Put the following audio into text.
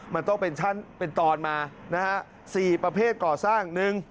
มันต้องเป็นตอนมานะฮะ๔ประเภทก่อสร้าง